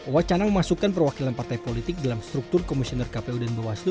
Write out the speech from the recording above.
wacana memasukkan perwakilan partai politik dalam struktur komisioner kpu dan bawaslu